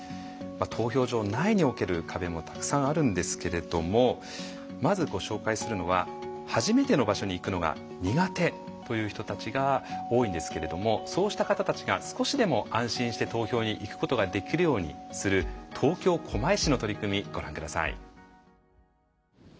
投票所内における壁もたくさんあるんですけれどもまずご紹介するのは初めての場所に行くのが苦手という人たちが多いんですけれどもそうした方たちが少しでも安心して投票に行くことができるようにする東京狛江市の取り組みご覧下さい。